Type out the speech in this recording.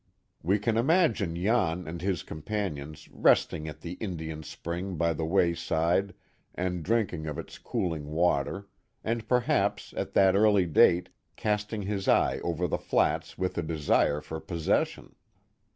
We can imagine Jan and his companions, resting at the Indian spring by the wayside and drinking of its cooling water, and perhaps at that early date casting his eye over the flats with a desire for pos session.